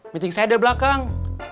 meeting saya ada belakang